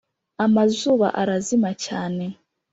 amazuba arazima cyane